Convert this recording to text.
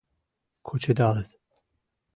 Кучедалыт.